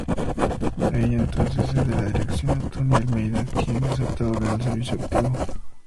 Ella entonces cede la dirección a Tony Almeida, quien acepta volver al servicio activo.